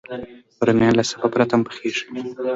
رومیان له سابه پرته هم پخېږي